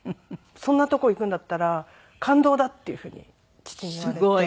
「そんなとこ行くんだったら勘当だ」っていうふうに父に言われて。